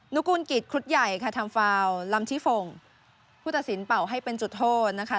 นุกูลกิจครุฑใหญ่ค่ะทำฟาวลำชิฝงผู้ตัดสินเป่าให้เป็นจุดโทษนะคะ